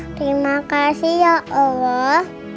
terima kasih ya allah